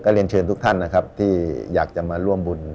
เรียนเชิญทุกท่านนะครับที่อยากจะมาร่วมบุญ